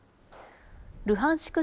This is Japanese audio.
ルハンシク